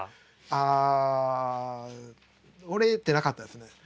あ折れてなかったですね。